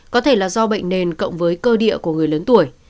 có thể là do bệnh nền cộng với cơ địa của người lớn tuổi